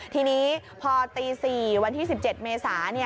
ทีนี้พอตี๔วันที่๑๗เมษา